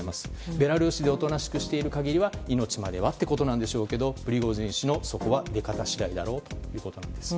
ベラルーシでおとなしくしている限りは命まではということでしょうがプリゴジン氏のそこは出方次第だろうということです。